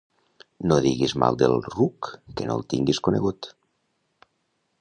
No diguis mal del ruc que no el tinguis conegut.